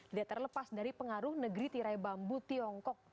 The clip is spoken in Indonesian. tidak terlepas dari pengaruh negeri tirai bambu tiongkok